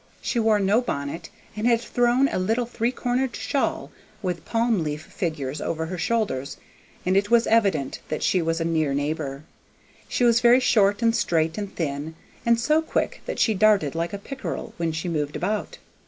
She wore no bonnet, and had thrown a little three cornered shawl, with palm leaf figures, over her shoulders; and it was evident that she was a near neighbor. She was very short and straight and thin, and so quick that she darted like a pickerel when she moved about.